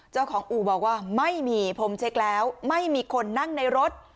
เจ้าของอู่บอกว่าไม่มีผมเช็คแล้วไม่มีคนนั่งในรถ